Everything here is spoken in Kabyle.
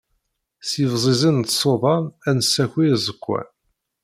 S yebzizen n tsudan ad nessaki iẓekwan.